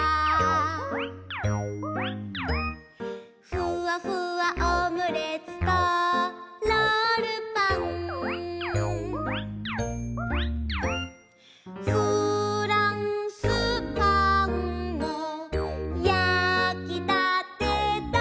「ふわふわオムレツとロールパン」「フランスパンも焼きたてだ」